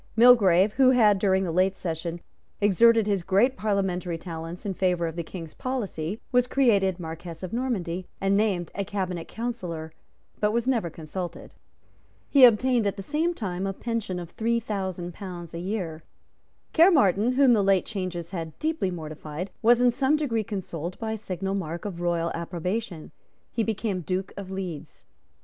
Mulgrave, who had, during the late session, exerted his great parliamentary talents in favour of the King's policy, was created Marquess of Normanby, and named a Cabinet Councillor, but was never consulted. He obtained at the same time a pension of three thousand pounds a year. Caermarthen, whom the late changes had deeply mortified, was in some degree consoled by a signal mark of royal approbation. He became Duke of Leeds.